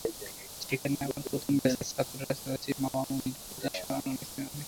সেখানেই আমার প্রথম ব্যাচের ছাত্র রাসেল, আসিফ, মাওয়া, মুনির, প্রতীকসহ আরও অনেকে।